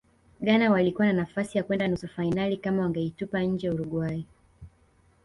ghana walikuwa na nafasi ya kwenda nusu fainali kama wangaitupa nje uruguay